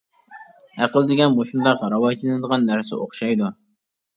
ئەقىل دېگەن مۇشۇنداق راۋاجلىنىدىغان نەرسە ئوخشايدۇ.